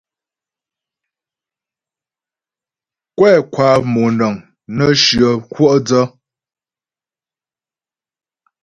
Kwɛ kwa moŋəŋ nə́ shyə kwɔ' dsə.